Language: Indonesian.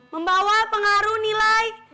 membawa pengaruh nilai